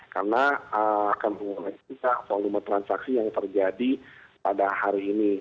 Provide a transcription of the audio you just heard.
karena akan menggunakan volume transaksi yang terjadi pada hari ini